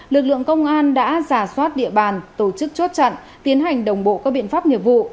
lực lượng công an đã giả soát địa bàn tổ chức chốt chặn tiến hành đồng bộ các biện pháp nghiệp vụ